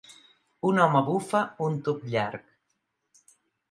Un home bufa un tub llarg